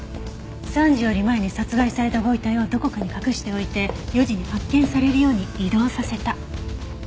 ３時より前に殺害されたご遺体をどこかに隠しておいて４時に発見されるように移動させた。